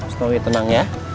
snowy tenang ya